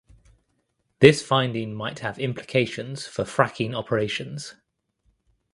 This finding might have implications for fracking operations.